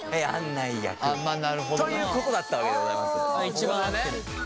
一番合ってる。